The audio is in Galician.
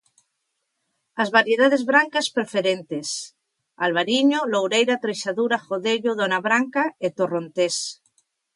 As variedades brancas preferentes: Albariño, Loureira, Treixadura, Godello, Dona Branca e Torrontés.